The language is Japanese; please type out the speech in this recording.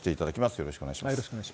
よろしくお願いします。